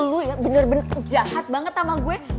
lo bener bener jahat banget sama gue